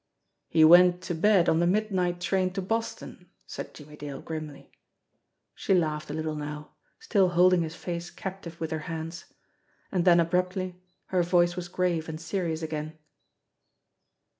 "He went to bed on the midnight train to Boston," said Jimmie Dale grimly. She laughed a little now, still holding his face captive with her hands ; and then abruptly her voice was grave and seri ous again.